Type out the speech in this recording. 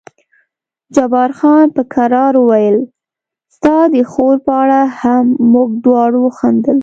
جبار خان په کرار وویل ستا د خور په اړه هم، موږ دواړو وخندل.